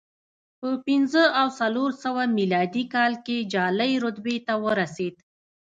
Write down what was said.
په پنځه او څلور سوه میلادي کال کې جالۍ رتبې ته ورسېد